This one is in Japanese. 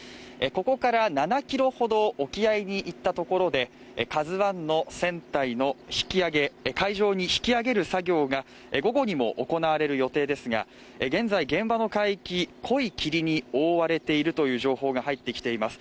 ここから７キロほど沖合に行ったところで「ＫＡＺＵ１」の船体の引き揚げ海上に引き揚げる作業が午後にも行われる予定ですが現在現場の海域濃い霧に覆われているという情報が入ってきています